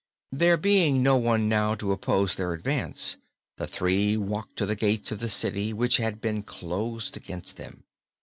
There being no one now to oppose their advance, the three walked to the gates of the city, which had been closed against them.